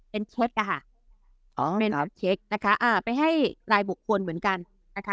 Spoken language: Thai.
เป็นเช็คอะค่ะอ๋อเป็นเช็คนะคะอ่าไปให้รายบุคคลเหมือนกันนะคะ